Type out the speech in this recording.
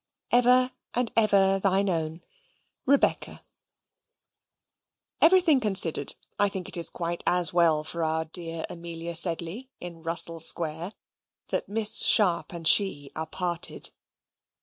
Ever and ever thine own REBECCA Everything considered, I think it is quite as well for our dear Amelia Sedley, in Russell Square, that Miss Sharp and she are parted.